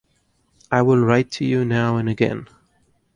I will write to you now and again.